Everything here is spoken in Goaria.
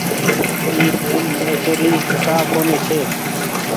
اي پين منيشي ري ڪآ ڪونيٚ ڇي۔